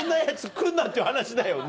来んなっていう話だよね。